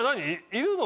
いるの？